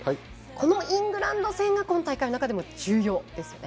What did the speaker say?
このイングランド戦が今大会の中でも重要ですよね。